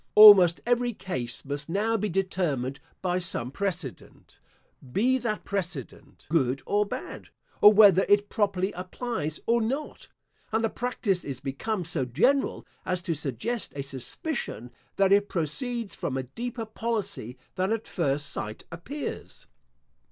Almost every case must now be determined by some precedent, be that precedent good or bad, or whether it properly applies or not; and the practice is become so general as to suggest a suspicion, that it proceeds from a deeper policy than at first sight appears.